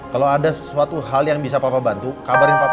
kalau ada sesuatu hal yang bisa bapak bantu kabarin papa